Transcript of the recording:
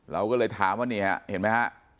เราก็เลยถามว่านี่ฮะเห็นไหมฮะ